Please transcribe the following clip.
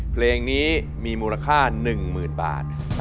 เพลงนี้มีมูลค่า๑๐๐๐บาท